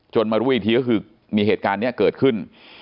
มารู้อีกทีก็คือมีเหตุการณ์นี้เกิดขึ้น